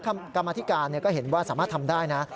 กรรมธิการก็เห็นว่าสามารถทำได้นะ